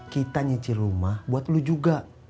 kita nyicil rumah buat lo juga